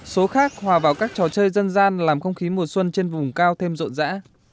số khác hòa vào các trò chơi dân gian làm không khí mùa xuân trên vùng cao thêm rộn rã